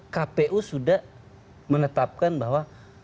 kpu sudah menetapkan bahwa